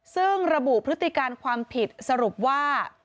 ซึ่งระบุพฤติการความผิดสรุปว่า